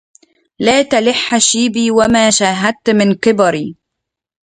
لا تلح شيبي وما شاهدت من كبري